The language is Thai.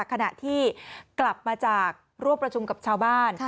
ขณะที่กลับมาจากร่วมประชุมกับชาวบ้าน